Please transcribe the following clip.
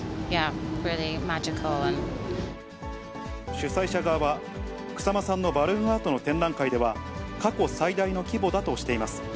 主催者側は、草間さんのバルーンアートの展覧会では、過去最大の規模だとしています。